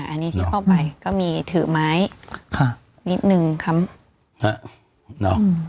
อันนี้ที่เข้าไปก็มีถือไม้ค่ะนิดนึงคำฮะเนอะ